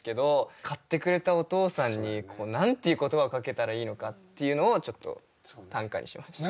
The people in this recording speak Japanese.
買ってくれたお父さんに何ていう言葉をかけたらいいのかっていうのをちょっと短歌にしました。